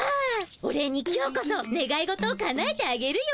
お礼に今日こそねがい事をかなえてあげるよ。